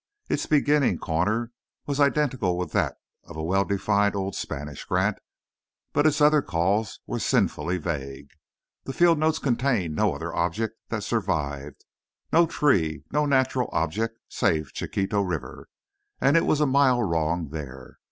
Its beginning corner was identical with that of a well defined old Spanish grant, but its other calls were sinfully vague. The field notes contained no other object that survived—no tree, no natural object save Chiquito River, and it was a mile wrong there.